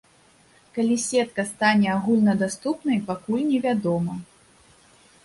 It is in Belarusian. Калі сетка стане агульнадаступнай пакуль невядома.